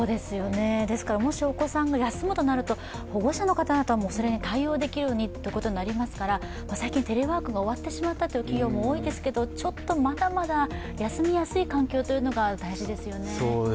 ですからもしお子さんが休むとなると保護者の方々も、それに対応できるようにとなりますから最近テレワークが終わってしまったという企業も多いですからちょっとまだまだ休みやすい環境というのが大事ですよね。